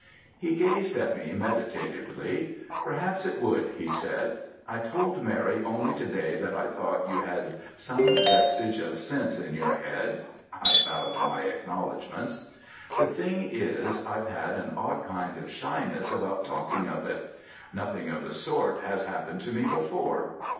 He gazed at me meditatively. 'Perhaps it would,' he said. 'I told Mary only to day that I thought you had some vestiges of sense in your head.' (I bowed my acknowledgements.) 'The thing is, I've an odd kind of shyness about talking of it. Nothing of the sort has happened to me before.